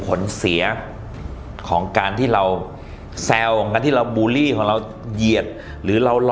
ผลเสียของการที่เราแซวของการที่เราบูลลี่ของเราเหยียดหรือเรารอ